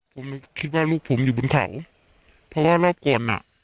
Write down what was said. ผมคิดว่าลูกผมอยู่บนเขาเพราะว่าแม่กวนอ่ะ